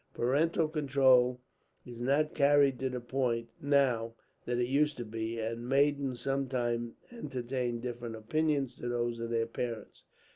Parental control is not carried to the point, now, that it used to be; and maidens sometimes entertain different opinions to those of their parents.